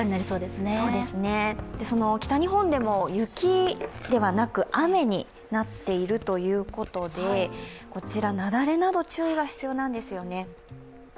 北日本でも雪ではなく雨になっているということで、雪崩など注意が必要なんですよね。